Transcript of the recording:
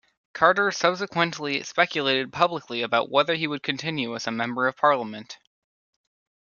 Carter subsequently speculated publicly about whether he would continue as a Member of Parliament.